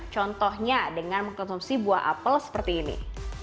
contohnya dengan mengkonsumsi buah apel seperti ini